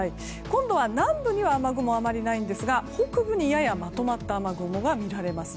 今度は南部に雨雲はあまりないんですが北部にややまとまった雨雲が見られます。